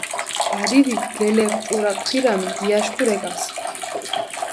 ბადიდიქ გელეღჷ ჭურა ქვირამი, გიაშქუ რეკას.